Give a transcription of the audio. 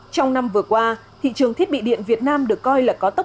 trong năm vừa qua thị trường thiết bị điện việt nam được coi là có tốc độ